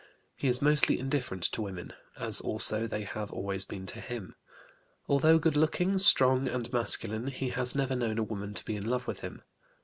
He is mostly indifferent to women, as also they have always been to him. Although good looking, strong, and masculine, he has never known a woman to be in love with him.